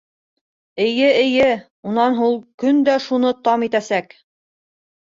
Эйе, эйе, унан һуң ул көн дә шуны там итәсәк!